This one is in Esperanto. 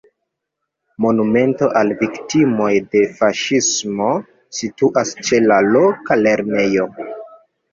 Monumento al viktimoj de faŝismo situas ĉe la loka lernejo.